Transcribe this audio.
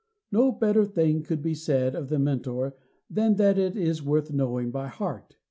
No better thing could be said of The Mentor than that it is worth knowing by heart.